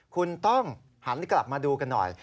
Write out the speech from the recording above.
คุณต้องหันกลับมาดูกันหน่อย